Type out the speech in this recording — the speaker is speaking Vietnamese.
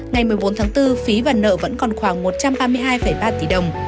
ngày một mươi bốn tháng bốn phí và nợ vẫn còn khoảng một trăm ba mươi hai ba tỷ đồng